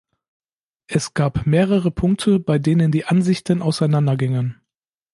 Es gab mehrere Punkte, bei denen die Ansichten auseinandergingen.